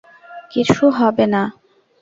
কিছু হবে না।